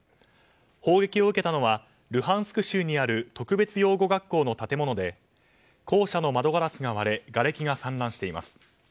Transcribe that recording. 砲撃を受けたのはルハンスク州にある特別養護学校の建物で校舎の窓ガラスが割れがれきが散乱しています。